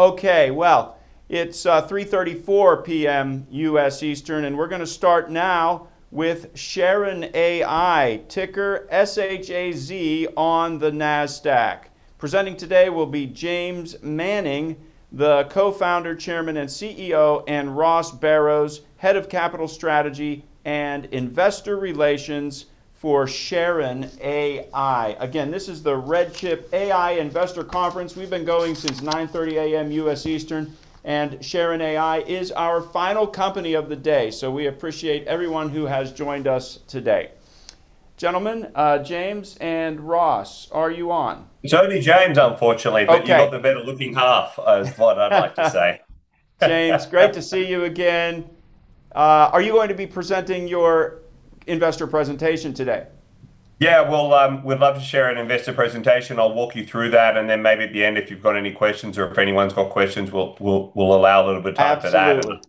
Okay. Well, it's 3:34 P.M. U.S. Eastern, and we're gonna start now with SHARON AI, ticker SHAZ on the Nasdaq. Presenting today will be James Manning, Co-Founder, Chairman, and CEO, and Ross Barrows, Head of Capital Strategy and Investor Relations for SHARON AI. Again, this is the RedChip AI Investor Conference. We've been going since 9:30 A.M. U.S. Eastern, and SHARON AI is our final company of the day. We appreciate everyone who has joined us today. Gentlemen, James and Ross, are you on? It's only James, unfortunately. Okay You got the better-looking half is what I'd like to say. James, great to see you again. Are you going to be presenting your investor presentation today? Yeah. Well, we'd love to share an investor presentation. I'll walk you through that, and then maybe at the end, if you've got any questions or if anyone's got questions, we'll allow a little bit of time for that.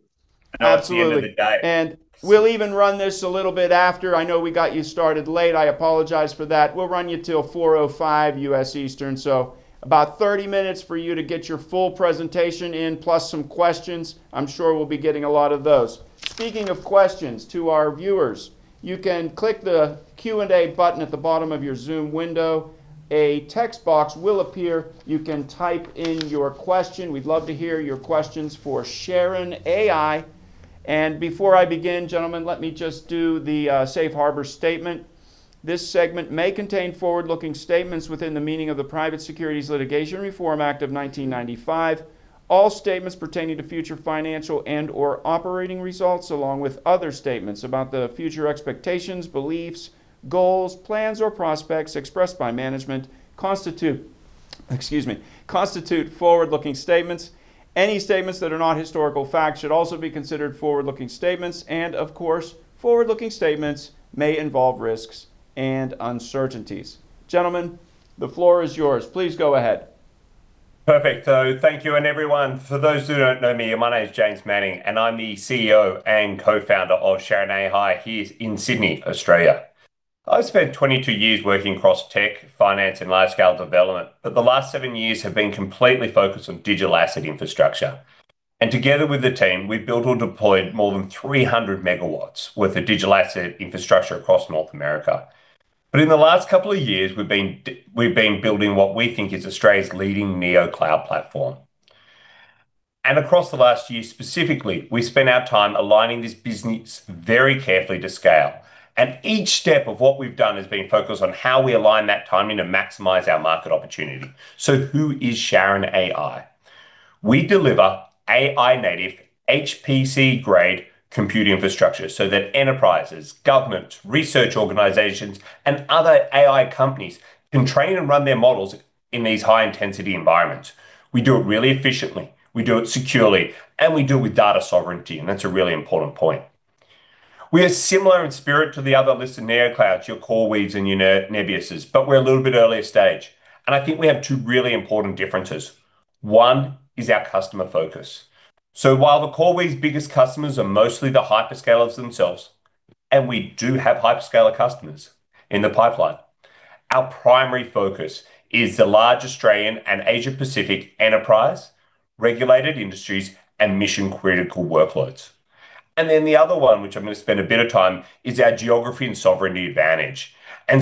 Absolutely. At the end of the day. We'll even run this a little bit after. I know we got you started late. I apologize for that. We'll run you till 4:05 P.M. U.S. Eastern, so about 30 minutes for you to get your full presentation in, plus some questions. I'm sure we'll be getting a lot of those. Speaking of questions to our viewers, you can click the Q&A button at the bottom of your Zoom window. A text box will appear. You can type in your question. We'd love to hear your questions for SHARON AI. Before I begin, gentlemen, let me just do the safe harbor statement. This segment may contain forward-looking statements within the meaning of the Private Securities Litigation Reform Act of 1995. All statements pertaining to future financial and/or operating results, along with other statements about the future expectations, beliefs, goals, plans, or prospects expressed by management constitute forward-looking statements. Any statements that are not historical facts should also be considered forward-looking statements, and of course, forward-looking statements may involve risks and uncertainties. Gentlemen, the floor is yours. Please go ahead. Perfect. Thank you and everyone. For those who don't know me, my name is James Manning, and I'm the CEO and Co-Founder of SHARON AI here in Sydney, Australia. I've spent 22 years working across tech, finance, and large-scale development, but the last seven years have been completely focused on digital asset infrastructure. Together with the team, we've built or deployed more than 300 MW worth of digital asset infrastructure across North America. In the last couple of years, we've been building what we think is Australia's leading Neocloud platform. Across the last year, specifically, we spent our time aligning this business very carefully to scale, and each step of what we've done has been focused on how we align that timing to maximize our market opportunity. Who is SHARON AI? We deliver AI native, HPC-grade computing infrastructure so that enterprises, governments, research organizations, and other AI companies can train and run their models in these high-intensity environments. We do it really efficiently, we do it securely, and we do it with data sovereignty, and that's a really important point. We are similar in spirit to the other listed Neoclouds, your CoreWeave and your Nebius, but we're a little bit earlier stage, and I think we have two really important differences. One is our customer focus. While the CoreWeave's biggest customers are mostly the hyperscalers themselves, and we do have hyperscaler customers in the pipeline, our primary focus is the large Australian and Asia-Pacific enterprise, regulated industries, and mission-critical workloads. The other one, which I'm going to spend a bit of time, is our geography and sovereignty advantage.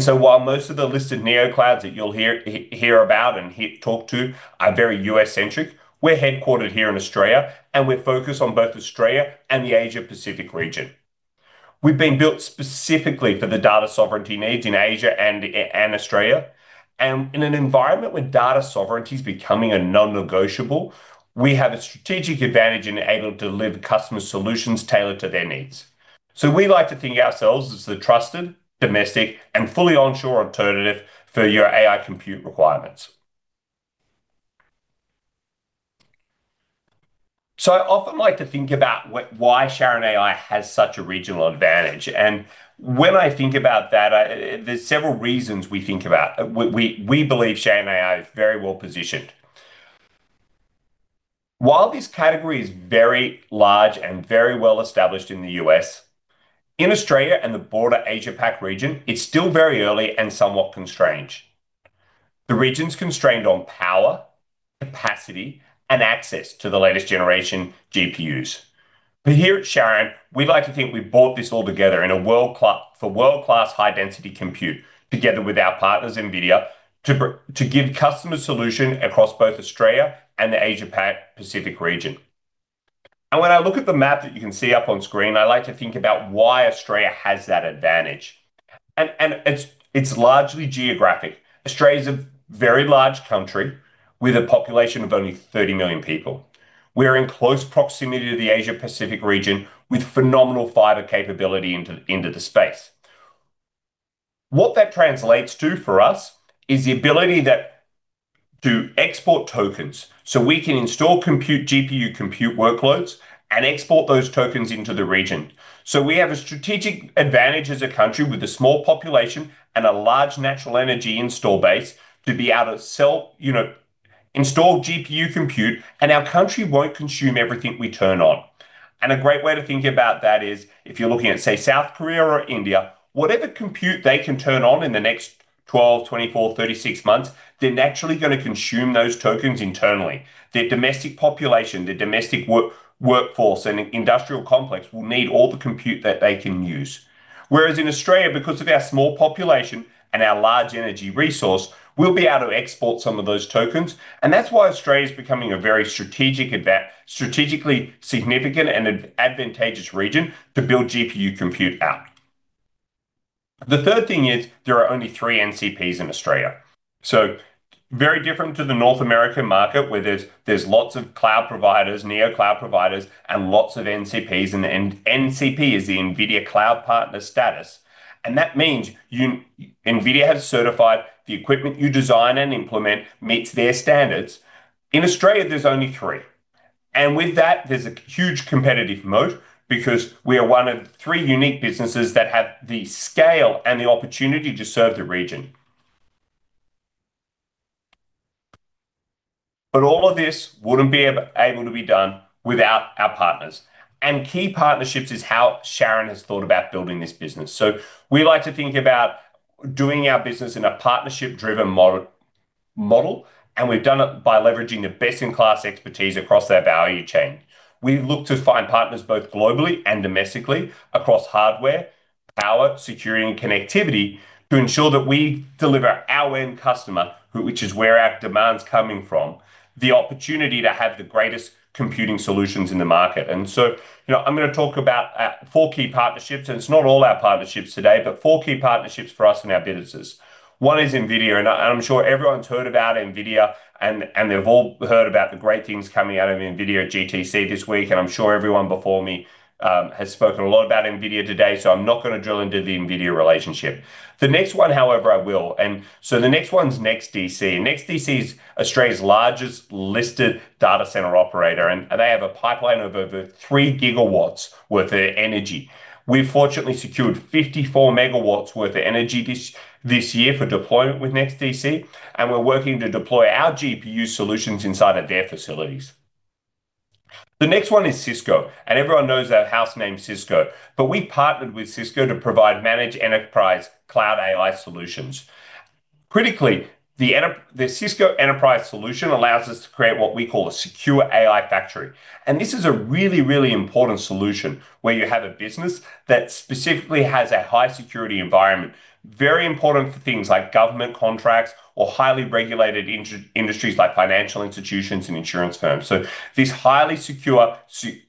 While most of the listed Neoclouds that you'll hear about and talk to are very U.S.-centric, we're headquartered here in Australia, and we're focused on both Australia and the Asia-Pacific region. We've been built specifically for the data sovereignty needs in Asia and Australia, and in an environment where data sovereignty is becoming a non-negotiable, we have a strategic advantage in able to deliver customer solutions tailored to their needs. We like to think of ourselves as the trusted, domestic, and fully onshore alternative for your AI compute requirements. I often like to think about why SHARON AI has such a regional advantage. When I think about that, there's several reasons we think about. We believe SHARON AI is very well-positioned. While this category is very large and very well-established in the U.S., in Australia and the broader Asia-Pacific region, it's still very early and somewhat constrained. The region's constrained on power, capacity, and access to the latest generation GPUs. Here at SHARON AI, we like to think we've brought this all together in a world-class high-density compute together with our partners, Nvidia, to give customers solution across both Australia and the Asia-Pacific region. When I look at the map that you can see up on screen, I like to think about why Australia has that advantage. It's largely geographic. Australia is a very large country with a population of only 30 million people. We're in close proximity to the Asia-Pacific region with phenomenal fiber capability into the space. What that translates to for us is the ability to export tokens, so we can install GPU compute workloads and export those tokens into the region. We have a strategic advantage as a country with a small population and a large natural energy install base to be able to sell, you know, install GPU compute, and our country won't consume everything we turn on. A great way to think about that is if you're looking at, say, South Korea or India, whatever compute they can turn on in the next 12, 24, 36 months, they're naturally gonna consume those tokens internally. Their domestic population, their domestic workforce, and industrial complex will need all the compute that they can use. Whereas in Australia, because of our small population and our large energy resource, we'll be able to export some of those tokens. That's why Australia is becoming a very strategic strategically significant and advantageous region to build GPU compute out. The third thing is there are only three NCPs in Australia. Very different to the North American market, where there's lots of cloud providers, Neocloud providers, and lots of NCPs. The NCP is the NVIDIA Cloud Partner status. That means NVIDIA has certified the equipment you design and implement meets their standards. In Australia, there's only three. With that, there's a huge competitive moat because we are one of three unique businesses that have the scale and the opportunity to serve the region. All of this wouldn't be able to be done without our partners. Key partnerships is how SHARON AI has thought about building this business. We like to think about doing our business in a partnership-driven model, and we've done it by leveraging the best-in-class expertise across our value chain. We look to find partners both globally and domestically across hardware, power, security, and connectivity to ensure that we deliver our end customer, which is where our demand's coming from, the opportunity to have the greatest computing solutions in the market. You know, I'm gonna talk about four key partnerships, and it's not all our partnerships today, but four key partnerships for us and our businesses. One is Nvidia, and I'm sure everyone's heard about Nvidia and they've all heard about the great things coming out of Nvidia GTC this week. I'm sure everyone before me has spoken a lot about Nvidia today, so I'm not gonna drill into the Nvidia relationship. The next one, however, I will. The next one's NEXTDC. NEXTDC is Australia's largest listed data center operator, and they have a pipeline of over 3 GW worth of energy. We've fortunately secured 54 MW worth of energy this year for deployment with NEXTDC, and we're working to deploy our GPU solutions inside of their facilities. The next one is Cisco. Everyone knows that household name Cisco, but we partnered with Cisco to provide managed enterprise cloud AI solutions. Critically, the Cisco enterprise solution allows us to create what we call a secure AI factory. This is a really, really important solution, where you have a business that specifically has a high security environment, very important for things like government contracts or highly regulated industries like financial institutions and insurance firms. This highly secure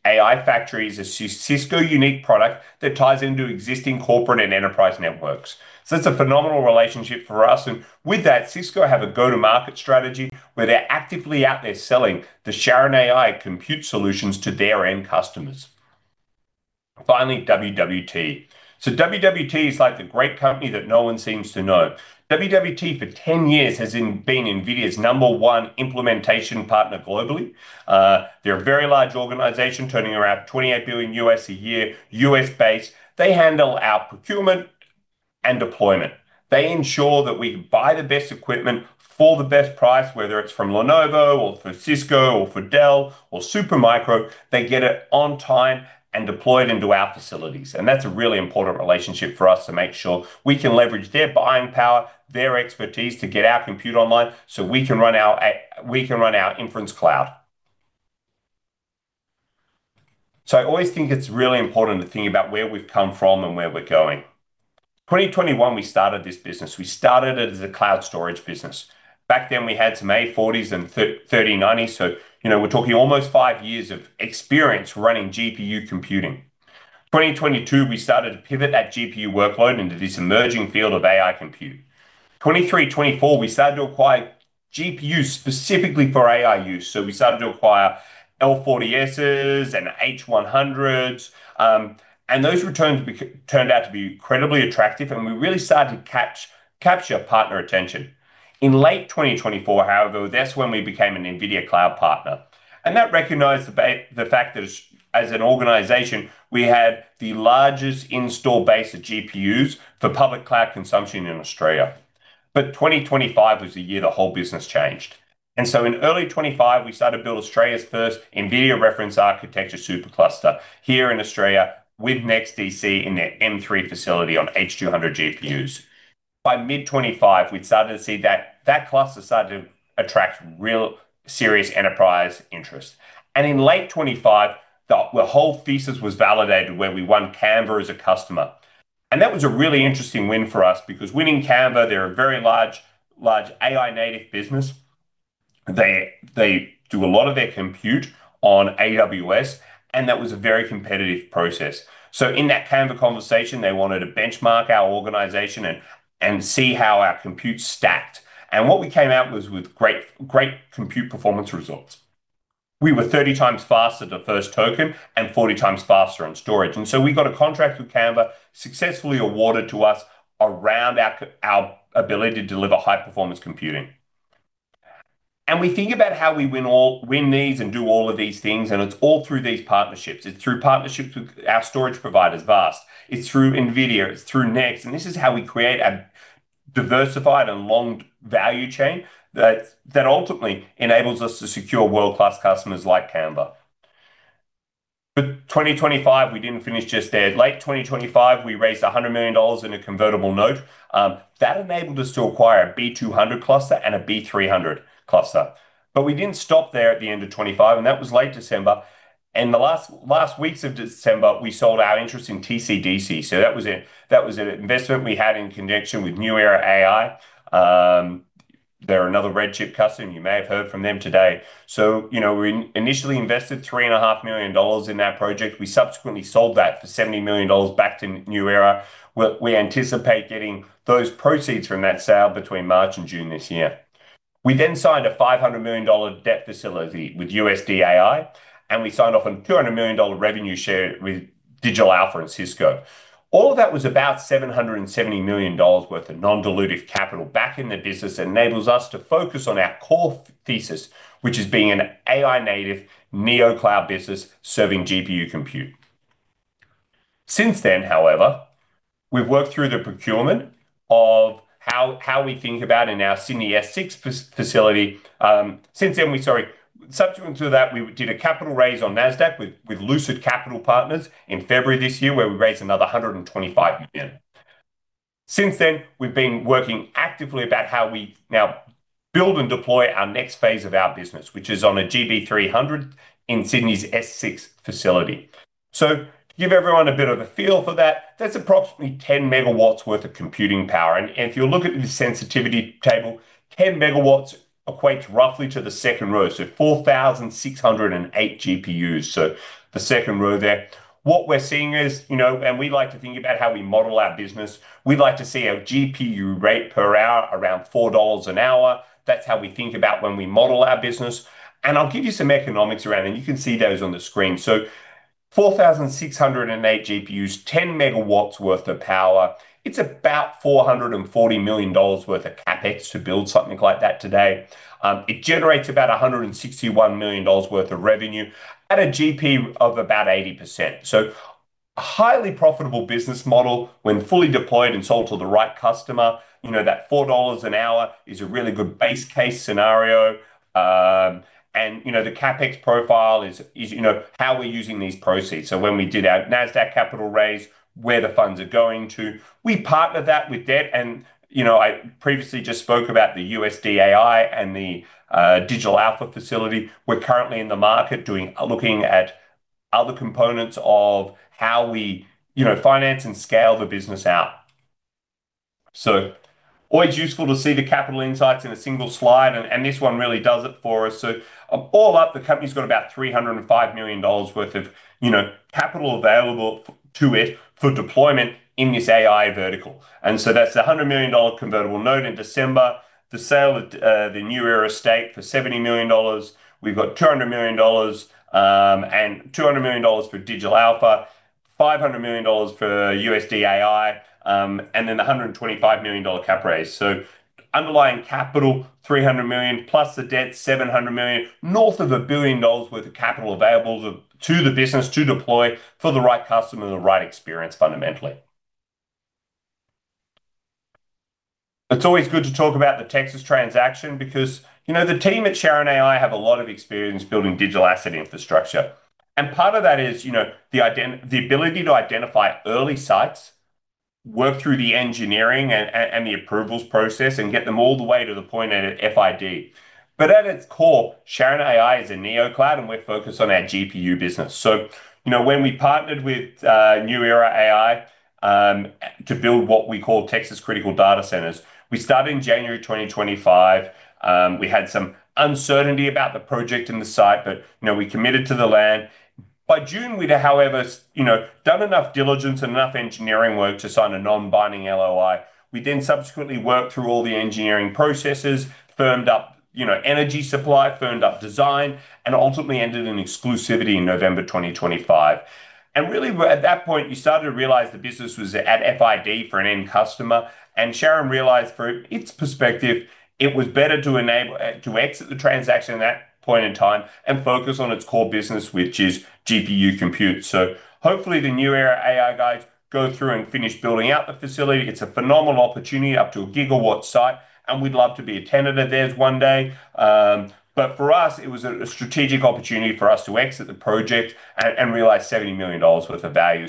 AI factory is a Cisco unique product that ties into existing corporate and enterprise networks. It's a phenomenal relationship for us. With that, Cisco have a go-to-market strategy where they're actively out there selling the SHARON AI compute solutions to their end customers. Finally, WWT. WWT is like the great company that no one seems to know. WWT for 10 years has been Nvidia's number one implementation partner globally. They're a very large organization turning around $28 billion a year, U.S.-based. They handle our procurement and deployment. They ensure that we buy the best equipment for the best price, whether it's from Lenovo or from Cisco or from Dell or Supermicro. They get it on time and deploy it into our facilities. That's a really important relationship for us to make sure we can leverage their buying power, their expertise to get our compute online, so we can run our inference cloud. I always think it's really important to think about where we've come from and where we're going. 2021, we started this business. We started it as a cloud storage business. Back then, we had some A40s and 3090s. So, you know, we're talking almost five years of experience running GPU computing. 2022, we started to pivot that GPU workload into this emerging field of AI compute. 2023, 2024, we started to acquire GPUs specifically for AI use. So we started to acquire L40Ss and H100s. Those returns turned out to be incredibly attractive, and we really started to capture partner attention. In late 2024, however, that's when we became an NVIDIA Cloud Partner. That recognized the fact that as an organization, we had the largest install base of GPUs for public cloud consumption in Australia. 2025 was the year the whole business changed. In early 2025, we started to build Australia's first NVIDIA reference architecture supercluster here in Australia with NEXTDC in their M3 facility on H200 GPUs. By mid 2025, we'd started to see that cluster started to attract real serious enterprise interest. In late 2025, the whole thesis was validated when we won Canva as a customer. That was a really interesting win for us because winning Canva, they're a very large AI-native business. They do a lot of their compute on AWS, and that was a very competitive process. In that Canva conversation, they wanted to benchmark our organization and see how our compute stacked. What we came out was with great compute performance results. We were 30 times faster the first token and 40 times faster on storage. We got a contract with Canva successfully awarded to us around our ability to deliver high-performance computing. We think about how we win these and do all of these things, and it's all through these partnerships. It's through partnerships with our storage providers, VAST Data. It's through Nvidia, it's through NEXTDC, and this is how we create a diversified and long value chain that ultimately enables us to secure world-class customers like Canva. 2025, we didn't finish just there. Late 2025, we raised $100 million in a convertible note. That enabled us to acquire a B200 cluster and a B300 cluster. We didn't stop there at the end of 25, and that was late December. In the last weeks of December, we sold our interest in TCDC. That was an investment we had in connection with New Era AI. They're another RedChip customer, and you may have heard from them today. You know, we initially invested $3.5 million in that project. We subsequently sold that for $70 million back to New Era. We anticipate getting those proceeds from that sale between March and June this year. We then signed a $500 million debt facility with USD.AI, and we signed off on $200 million revenue share with Digital Alpha and Cisco. All of that was about $770 million worth of non-dilutive capital back in the business that enables us to focus on our core thesis, which is being an AI-native, Neocloud business serving GPU compute. Since then, however, we've worked through the procurement of how we think about in our Sydney S6 facility. Subsequent to that, we did a capital raise on Nasdaq with Lucid Capital Markets in February this year, where we raised another $125 million. Since then, we've been working actively about how we now build and deploy our next phase of our business, which is on a GB300 in Sydney's S6 facility. To give everyone a bit of a feel for that's approximately 10 MW worth of computing power. If you look at the sensitivity table, 10 MW equates roughly to the second row, so 4,608 GPUs. The second row there. What we're seeing is, you know, and we like to think about how we model our business. We'd like to see our GPU rate per hour around $4 an hour. That's how we think about when we model our business. I'll give you some economics around that. You can see those on the screen. 4,608 GPUs, 10 MW worth of power. It's about $440 million worth of CapEx to build something like that today. It generates about $161 million worth of revenue at a GP of about 80%. A highly profitable business model when fully deployed and sold to the right customer. You know that $4 an hour is a really good base case scenario. You know, the CapEx profile is, you know, how we're using these proceeds. When we did our Nasdaq capital raise, where the funds are going to. We partner that with debt and, you know, I previously just spoke about the USD.AI and the Digital Alpha facility. We're currently in the market looking at other components of how we, you know, finance and scale the business out. Always useful to see the capital insights in a single slide, and this one really does it for us. All up, the company's got about $305 million worth of, you know, capital available to it for deployment in this AI vertical. That's $100 million convertible note in December. The sale of the New Era stake for $70 million. We've got $200 million and $200 million for Digital Alpha, $500 million for USD.AI, and then a $125 million cap raise. Underlying capital $300 million, plus the debt $700 million. North of $1 billion worth of capital available to the business to deploy for the right customer, the right experience, fundamentally. It's always good to talk about the Texas transaction because the team at SHARON AI have a lot of experience building digital asset infrastructure. Part of that is the ability to identify early sites, work through the engineering and the approvals process, and get them all the way to the point at FID. At its core, SHARON AI is a neo-cloud, and we're focused on our GPU business. You know, when we partnered with New Era AI to build what we call Texas Critical Data Centers, we started in January 2025. We had some uncertainty about the project and the site, but you know, we committed to the land. By June, however, you know, we'd done enough diligence and enough engineering work to sign a non-binding LOI. We then subsequently worked through all the engineering processes, firmed up you know, energy supply, firmed up design, and ultimately entered exclusivity in November 2025. Really, at that point, you started to realize the business was at FID for an end customer, and SHARON AI realized from its perspective, it was better to enable to exit the transaction at that point in time and focus on its core business, which is GPU compute. Hopefully, the New Era AI guys go through and finish building out the facility. It's a phenomenal opportunity, up to a gigawatt site, and we'd love to be a tenant of theirs one day. But for us, it was a strategic opportunity for us to exit the project and realize $70 million worth of value.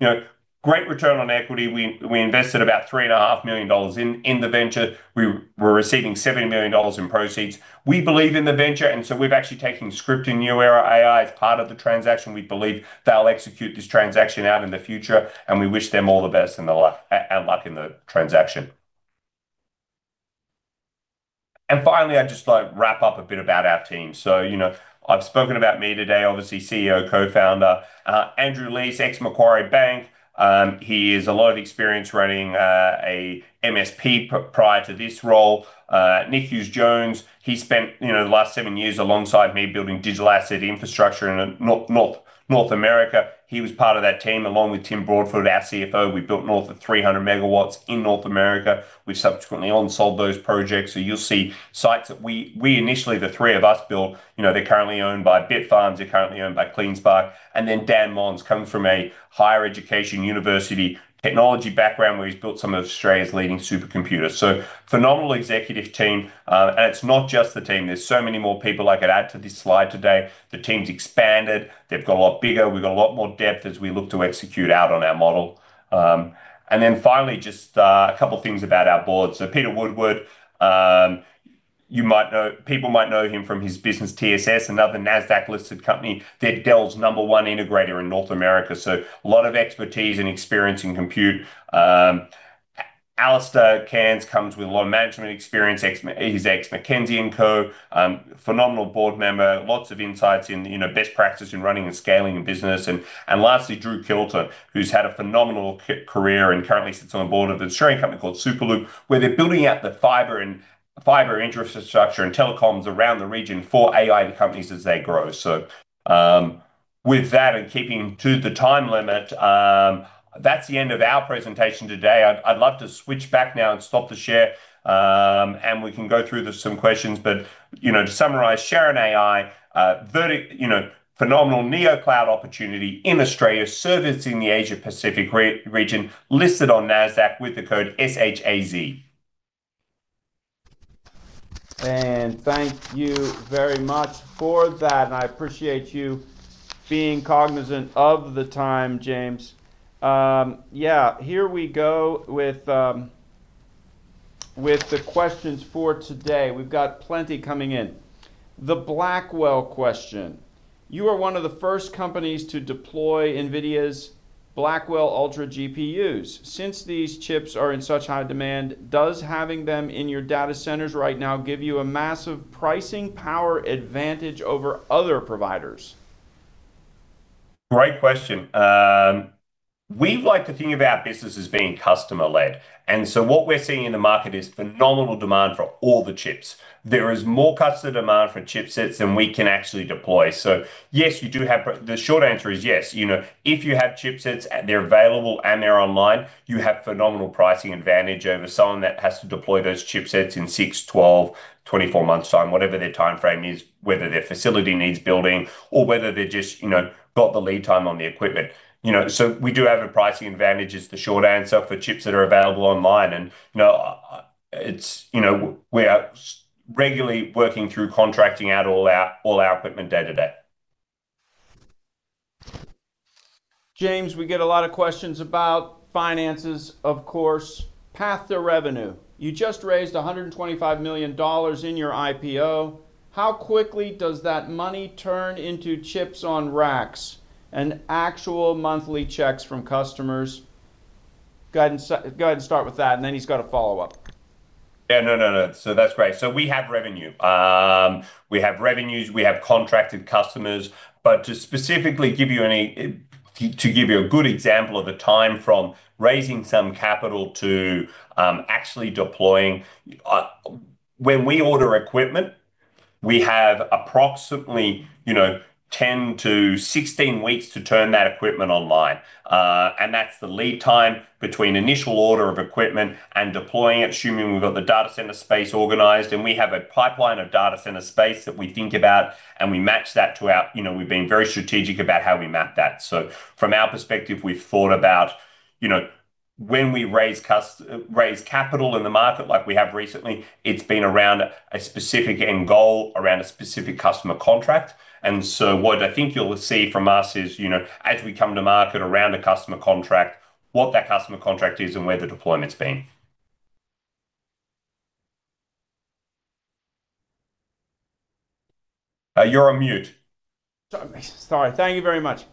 You know, great return on equity. We invested about $3.5 million in the venture. We were receiving $70 million in proceeds. We believe in the venture, and so we've actually taken scrip in New Era AI as part of the transaction. We believe they'll execute this transaction out in the future, and we wish them all the best and luck in the transaction. Finally, I'd just like to wrap up a bit about our team. You know, I've spoken about me today, obviously, CEO, co-founder. Andrew Lees, ex-Macquarie Bank. He has a lot of experience running a MSP prior to this role. Nick Hughes-Jones, he spent the last seven years alongside me building digital asset infrastructure in North America. He was part of that team, along with Tim Broadfoot, our CFO. We built north of 300 MW in North America. We've subsequently on-sold those projects. You'll see sites that we initially, the three of us, built. You know, they're currently owned by Bitfarms, they're currently owned by CleanSpark. Dan Mons comes from a higher education university technology background, where he's built some of Australia's leading supercomputers. Phenomenal executive team. It's not just the team. There's so many more people I could add to this slide today. The team's expanded. They've got a lot bigger. We've got a lot more depth as we look to execute out on our model. Finally, just a couple things about our board. Peter Woodward. You might know, people might know him from his business TSS, another Nasdaq-listed company. They're Dell's number one integrator in North America, so lot of expertise and experience in compute. Alistair Cairns comes with a lot of management experience, he's ex McKinsey & Co. Phenomenal board member. Lots of insights in, you know, best practice in running and scaling a business. Lastly, Drew Kelton, who's had a phenomenal career, and currently sits on the board of an Australian company called Superloop, where they're building out the fiber and fiber infrastructure and telecoms around the region for AI companies as they grow. With that, and keeping to the time limit, that's the end of our presentation today. I'd love to switch back now and stop the share, and we can go through some questions. To summarize, SHARON AI, very, you know, phenomenal Neocloud opportunity in Australia, servicing the Asia Pacific region, listed on Nasdaq with the code SHAZ. Thank you very much for that, and I appreciate you being cognizant of the time, James. The questions for today. We've got plenty coming in. The Blackwell question, you are one of the first companies to deploy NVIDIA's Blackwell Ultra GPUs. Since these chips are in such high demand, does having them in your data centers right now give you a massive pricing power advantage over other providers? Great question. We like to think of our business as being customer led, and so what we're seeing in the market is phenomenal demand for all the chips. There is more customer demand for chipsets than we can actually deploy. So yes, you do have the short answer is yes. You know, if you have chipsets, and they're available, and they're online, you have phenomenal pricing advantage over someone that has to deploy those chipsets in six, 12, 24 months' time, whatever their timeframe is, whether their facility needs building, or whether they're just, you know, got the lead time on the equipment. You know, so we do have a pricing advantage is the short answer for chips that are available online. You know, it's, you know, we are regularly working through contracting out all our equipment day to day. James, we get a lot of questions about finances, of course. Path to revenue. You just raised $125 million in your IPO. How quickly does that money turn into chips on racks and actual monthly checks from customers? Go ahead and start with that, and then he's got a follow-up. Yeah, no, no. That's great. We have revenue. We have revenues. We have contracted customers. But to give you a good example of the time from raising some capital to actually deploying, when we order equipment, we have approximately, you know, 10-16 weeks to turn that equipment online. That's the lead time between initial order of equipment and deploying it, assuming we've got the data center space organized. We have a pipeline of data center space that we think about, and we match that to our, you know, we've been very strategic about how we map that. From our perspective, we've thought about, you know, when we raise capital in the market like we have recently, it's been around a specific end goal, around a specific customer contract. What I think you'll see from us is, you know, as we come to market around a customer contract, what that customer contract is and where the deployment's been. You're on mute. Sorry. Thank you very much.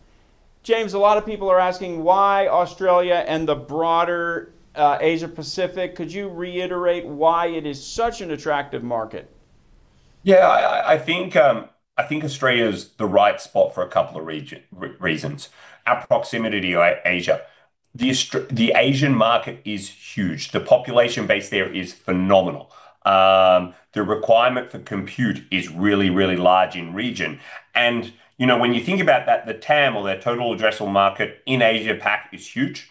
James, a lot of people are asking why Australia and the broader Asia Pacific. Could you reiterate why it is such an attractive market? Yeah. I think Australia's the right spot for a couple of reasons. Our proximity to Asia. The Asian market is huge. The population base there is phenomenal. The requirement for compute is really large in region. You know, when you think about that, the TAM, or their total addressable market, in Asia Pac is huge.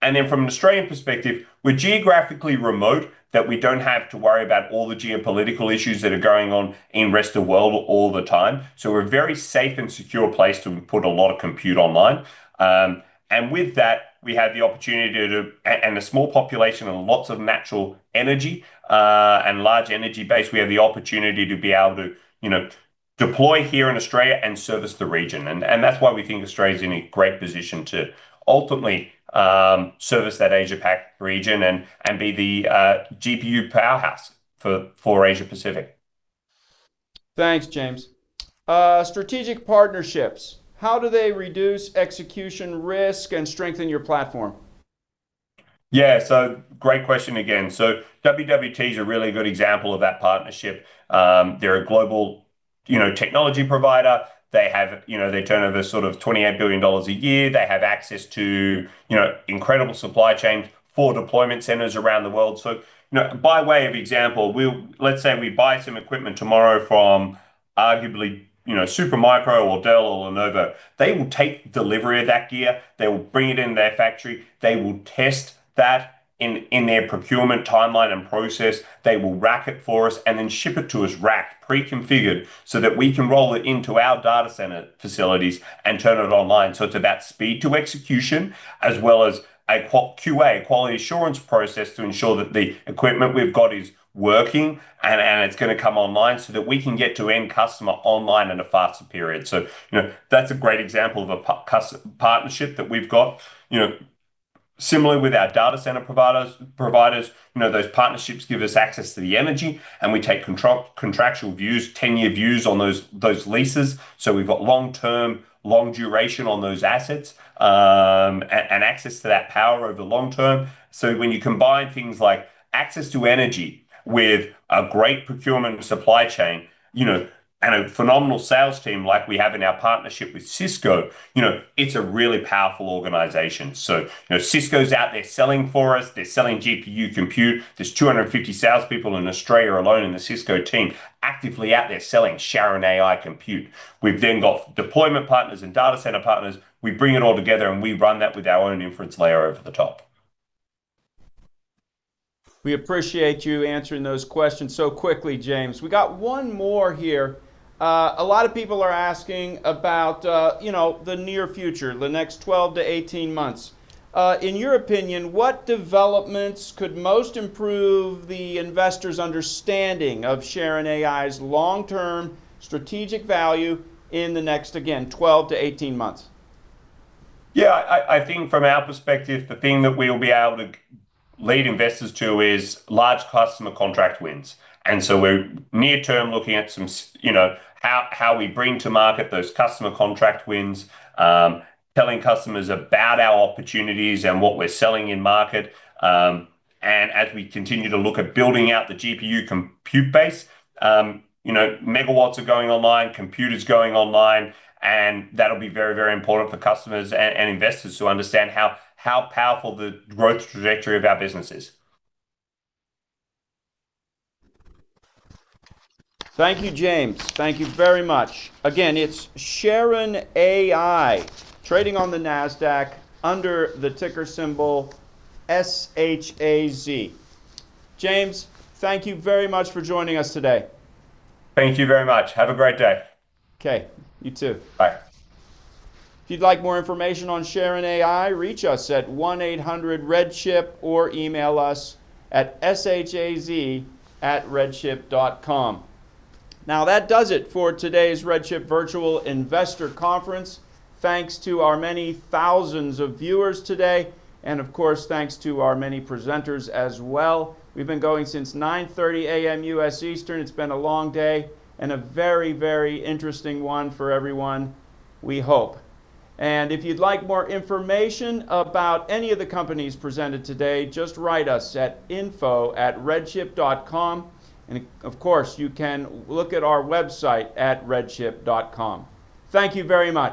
From an Australian perspective, we're geographically remote, that we don't have to worry about all the geopolitical issues that are going on in rest of world all the time. We're a very safe and secure place to put a lot of compute online. With that, we have the opportunity to. A small population and lots of natural energy and large energy base, we have the opportunity to be able to, you know, deploy here in Australia and service the region. That's why we think Australia's in a great position to ultimately service that Asia Pac region and be the GPU powerhouse for Asia Pacific. Thanks, James. Strategic partnerships, how do they reduce execution risk and strengthen your platform? Yeah. Great question again. WWT is a really good example of that partnership. They're a global, you know, technology provider. They have, you know, they turn over sort of $28 billion a year. They have access to, you know, incredible supply chains, four deployment centers around the world. By way of example, let's say we buy some equipment tomorrow from arguably, you know, Supermicro or Dell or Lenovo. They will take delivery of that gear. They will bring it in their factory. They will test that in their procurement timeline and process. They will rack it for us and then ship it to us racked, pre-configured, so that we can roll it into our data center facilities and turn it online. It's about speed to execution, as well as QA, a quality assurance process, to ensure that the equipment we've got is working and it's gonna come online, so that we can get to end customer online in a faster period. You know, that's a great example of a partnership that we've got. You know, similarly with our data center providers, you know, those partnerships give us access to the energy, and we take contractual views, 10-year views on those leases. We've got long-term, long duration on those assets, and access to that power over the long term. When you combine things like access to energy with a great procurement and supply chain, you know, and a phenomenal sales team like we have in our partnership with Cisco, you know, it's a really powerful organization. You know, Cisco's out there selling for us. They're selling GPU compute. There's 250 salespeople in Australia alone in the Cisco team actively out there selling SHARON AI Compute. We've then got deployment partners and data center partners. We bring it all together, and we run that with our own inference layer over the top. We appreciate you answering those questions so quickly, James. We got one more here. A lot of people are asking about, you know, the near future, the next 12-18 months. In your opinion, what developments could most improve the investors' understanding of SHARON AI's long-term strategic value in the next, again, 12-18 months? Yeah. I think from our perspective, the thing that we'll be able to lead investors to is large customer contract wins. We're near term looking at some you know, how we bring to market those customer contract wins, telling customers about our opportunities and what we're selling in market, and as we continue to look at building out the GPU compute base, you know, MW are going online, computers going online, and that'll be very, very important for customers and investors to understand how powerful the growth trajectory of our business is. Thank you, James. Thank you very much. Again, it's SHARON AI, trading on the Nasdaq under the ticker symbol SHAZ. James, thank you very much for joining us today. Thank you very much. Have a great day. Okay. You too. Bye. If you'd like more information on SHARON AI, reach us at 1-800-REDCHIP or email us at shaz@redchip.com. Now, that does it for today's RedChip Virtual Investor Conference. Thanks to our many thousands of viewers today and, of course, thanks to our many presenters as well. We've been going since 9:30 A.M. U.S. Eastern. It's been a long day and a very, very interesting one for everyone, we hope. If you'd like more information about any of the companies presented today, just write us at info@redchip.com. Of course, you can look at our website at redchip.com. Thank you very much.